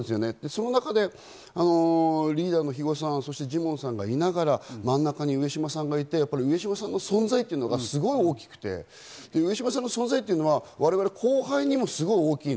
その中でリーダーの肥後さん、ジモンさんがいながら、真ん中に上島さんがいて、上島さんの存在というのが大きくて、上島さんの存在は後輩にもすごく大きい。